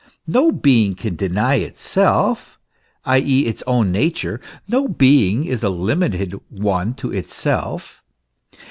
No being can deny itself, i.e., its own nature ; no being is a limited one to itself.